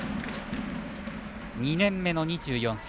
２年目の２４歳。